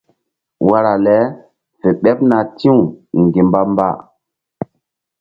Wara le fe ɓeɓna ti̧w ŋgi̧mba-mba.